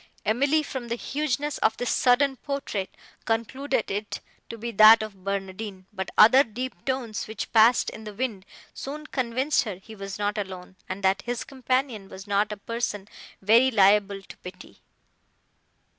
Emily, from the hugeness of this sudden portrait, concluded it to be that of Barnardine; but other deep tones, which passed in the wind, soon convinced her he was not alone, and that his companion was not a person very liable to pity.